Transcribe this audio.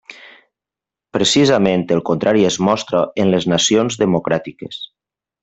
Precisament el contrari es mostra en les nacions democràtiques.